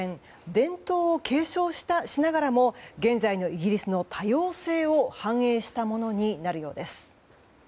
伝統を継承しながらも現在のイギリスの多様性を反映したものになるようです。